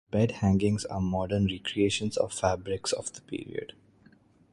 The bed-hangings are modern re-creations of fabrics of the period.